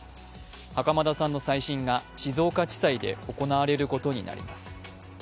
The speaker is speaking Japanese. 袴田さんの再審が静岡地裁で行われることになります。